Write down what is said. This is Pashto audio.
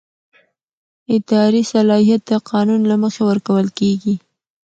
اداري صلاحیت د قانون له مخې ورکول کېږي.